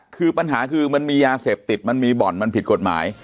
คือปัญหาคือมันมียาเสพติดมันมีบ่อนมันผิดกฎหมาย